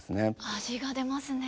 味が出ますね。